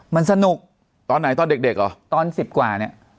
มันสนุกตอนไหนตอนเด็กอ่ะตอน๑๐กว่าเนี่ย